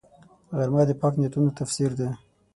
غرمه د پاک نیتونو تفسیر دی